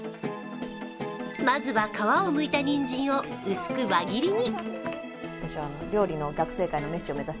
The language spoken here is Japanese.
まずは、皮をむいたにんじんを薄く輪切りに。